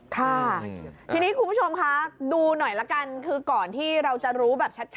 ค่ะทีนี้คุณผู้ชมคะดูหน่อยละกันคือก่อนที่เราจะรู้แบบชัด